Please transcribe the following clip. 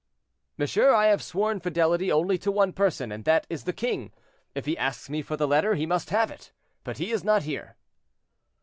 "Monsieur, I have sworn fidelity only to one person, and that is the king; if he asks me for the letter, he must have it, but he is not here."